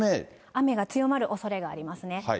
雨が強まるおそれがありますね。